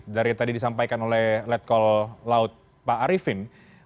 dari tadi disampaikan oleh let call laut pak arifin